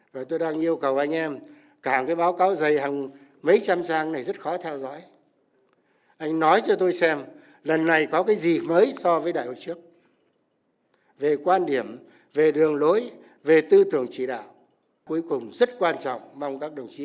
và đây các đồng chí nguyên lãnh đạo cả đều có trình độ